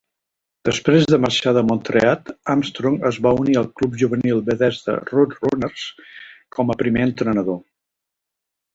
Després de marxar de Montreat, Armstrong es va unir al club juvenil Bethesda Roadrunners com a primer entrenador.